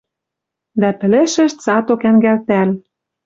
Дӓ, пӹлӹшӹш цаток ӓнгӓлтӓл